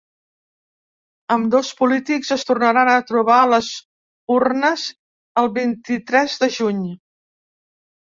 Ambdós polítics es tornaran a trobar a les urnes el vint-i-tres de juny.